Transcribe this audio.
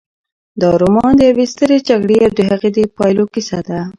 دا رومان د یوې سترې جګړې او د هغې د پایلو کیسه ده.